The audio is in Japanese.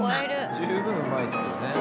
十分うまいっすよね。